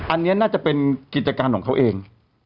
อันนี้น่าจะเป็นกิจการของเขาเอง